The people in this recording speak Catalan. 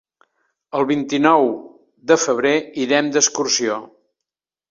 El vint-i-nou de febrer irem d'excursió.